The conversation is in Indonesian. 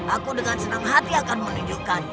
aku dengan senang hati akan menunjukkan